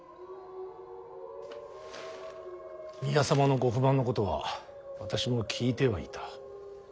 宮様のご不満のことは私も聞いてはいた。